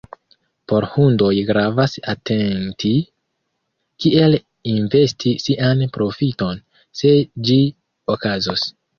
Por Hundoj gravas atenti, kiel investi sian profiton, se ĝi okazos.